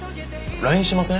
ＬＩＮＥしません？